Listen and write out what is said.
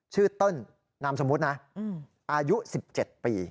ชื่อต้นนำสมมุตินะอายุ๑๗ปี